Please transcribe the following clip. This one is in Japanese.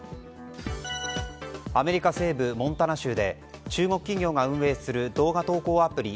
アメリカ西部モンタナ州で中国企業が運営する動画投稿アプリ